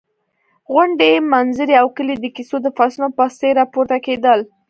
غونډۍ، منظرې او کلي د کیسو د فصلونو په څېر راپورته کېدل.